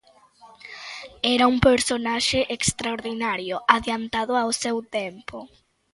Era un personaxe extraordinario, adiantado ao seu tempo.